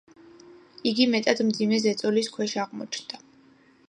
იგი მეტად მძიმე ზეწოლის ქვეშ აღმოჩნდა.